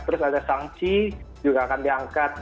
terus ada shang chi juga akan diangkat